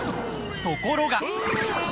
ところが。